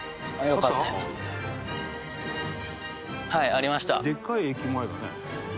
「“ある”」「でっかい駅前だね」